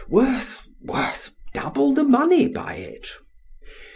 worth—worth double the money by it.